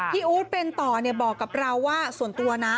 อู๊ดเป็นต่อบอกกับเราว่าส่วนตัวนะ